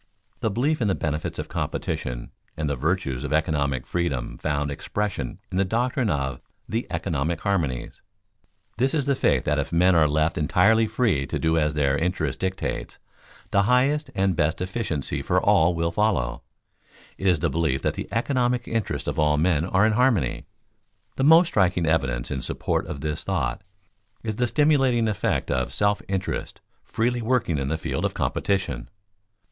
The belief in the benefits of competition and the virtues of economic freedom found expression in the doctrine of "the economic harmonies." This is the faith that if men are left entirely free to do as their interest dictates, the highest and best efficiency for all will follow; it is the belief that the economic interests of all men are in harmony. The most striking evidence in support of this thought is the stimulating effect of self interest freely working in the field of competition.